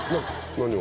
何を？